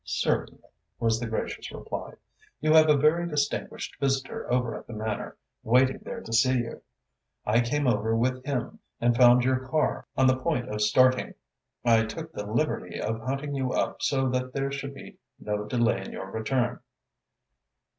"Certainly," was the gracious reply. "You have a very distinguished visitor over at the Manor, waiting there to see you. I came over with him and found your car on the point of starting. I took the liberty of hunting you up so that there should be no delay in your return."